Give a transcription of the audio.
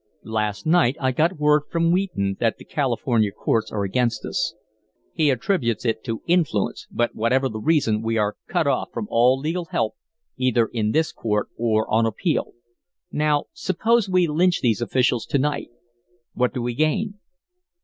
Last night I got word from Wheaton that the California courts are against us. He attributes it to influence, but, whatever the reason, we are cut off from all legal help either in this court or on appeal. Now, suppose we lynch these officials to night what do we gain?